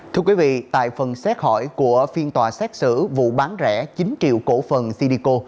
thưa quý vị tại phần xét hỏi của phiên tòa xét xử vụ bán rẻ chín triệu cổ phần cidco